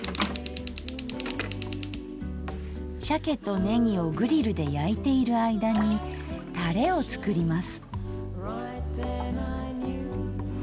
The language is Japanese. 鮭とねぎをグリルで焼いている間にタレを作ります。